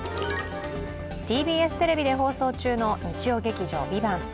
ＴＢＳテレビで放送中の日曜劇場「ＶＩＶＡＮＴ」。